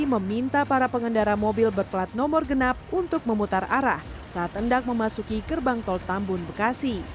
meminta para pengendara mobil berplat nomor genap untuk memutar arah saat hendak memasuki gerbang tol tambun bekasi